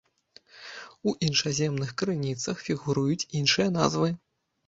У іншаземных крыніцах фігуруюць іншыя назвы.